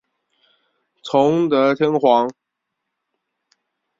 崇德天皇。